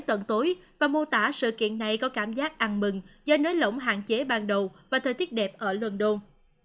tận tối và mô tả sự kiện này có cảm giác ăn mừng do nới lỏng hạn chế ban đầu và thời tiết đẹp ở london